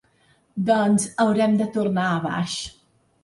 Doncs haurem de tornar a baix.